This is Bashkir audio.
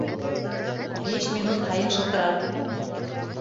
Биш минут һайын шылтырат.